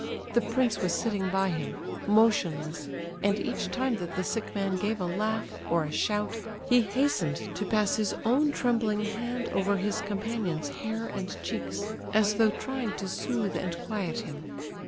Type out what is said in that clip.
The prince was sitting by him, motionless, and each time that the sick man gave a laugh, or a shout, he hastened to pass his own trembling hand over his companion's hair and cheeks, as though trying to soothe and quiet him.